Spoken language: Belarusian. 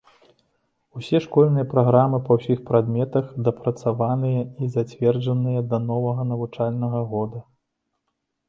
Усе школьныя праграмы па ўсіх прадметах дапрацаваныя і зацверджаныя да новага навучальнага года.